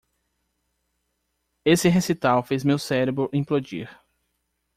Esse recital fez meu cérebro implodir.